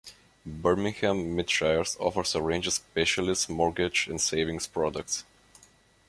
Birmingham Midshires offers a range of specialist mortgage and savings products.